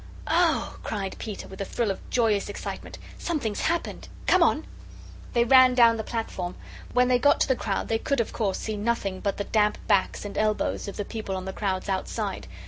"Oh!" cried Peter, with a thrill of joyous excitement, "something's happened! Come on!" They ran down the platform. When they got to the crowd, they could, of course, see nothing but the damp backs and elbows of the people on the crowd's outside.